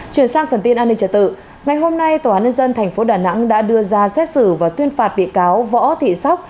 chuyển sang phần tin an ninh trả tự ngày hôm nay tòa án nhân dân tp đà nẵng đã đưa ra xét xử và tuyên phạt bị cáo võ thị sóc